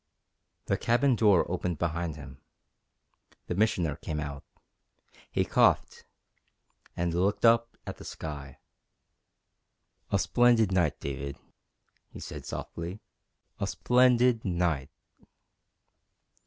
The cabin door opened behind him. The Missioner came out. He coughed, and looked up at the sky. "A splendid night, David," he said softly. "A splendid night!"